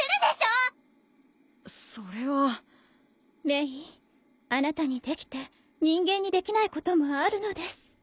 メイあなたにできて人間にできないこともあるのです。